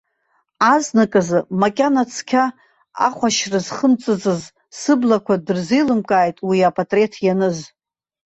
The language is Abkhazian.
Азныказы, макьана цқьа ахәашьра зхымҵыцыз сыблақәа дырзеилымкааит уи апатреҭ ианыз.